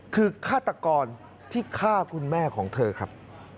คือฆาตกรที่ฆ่าคุณแม่ของเธอครับ